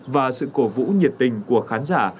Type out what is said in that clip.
và sự cổ vũ nhiệt tình của khán giả